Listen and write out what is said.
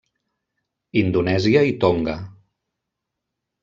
Indonèsia i Tonga.